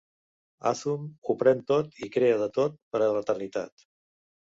Athum ho pren tot i crea de tot, per a l'eternitat.